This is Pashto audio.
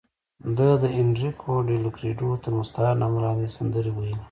ده د اینریکو ډیلکریډو تر مستعار نامه لاندې سندرې ویلې.